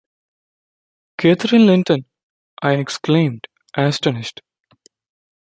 Catherine Linton?’ I exclaimed, astonished.